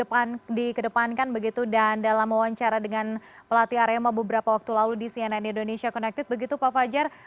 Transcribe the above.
pelatih arema ini masih berjalan dengan keadaan yang sangat berkembang dan dalam wawancara dengan pelatih arema beberapa waktu lalu di cnn indonesia connected begitu pak fajar